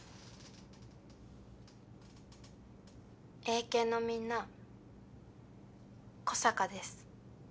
映研のみんな小坂です。